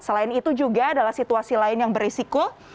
selain itu juga adalah situasi lain yang berisiko